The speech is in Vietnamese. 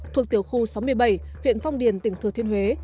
thuộc tiểu khu sáu mươi bảy huyện phong điền tỉnh thừa thiên huế